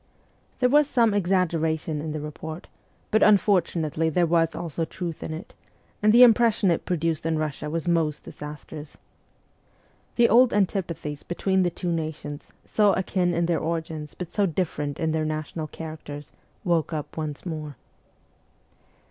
There was some exaggeration in the report, but unfortunately there was also truth in it, and the impression it produced in Russia was most disastrous. The old antipathies between the two nations, so akin in their origins but so different in their national characters, woke up once more.